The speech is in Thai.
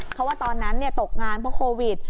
เพราะว่าตอนนั้นตกงานเพราะโควิด